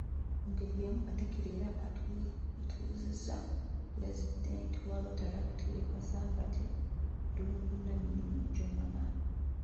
Mu ngeri y'emu, Katikkiro era atuuzizza Pulezidenti wa Rotaract ye Kasangati Ddungu Namirimu Joana.